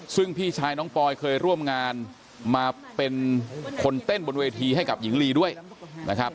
ซึ่งพี่ชายน้องปอยเคยร่วมงานมาเป็นคนเต้นบนเวทีให้กับหญิงลีด้วยนะครับ